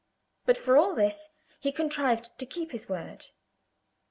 But, for all this, he contrived to keep his word.